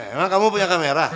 emang kamu punya kamera